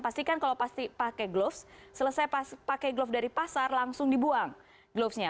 pastikan kalau pasti pakai gloves selesai pakai gloves dari pasar langsung dibuang gloves nya